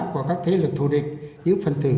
của các thế lực thù địch những phần thử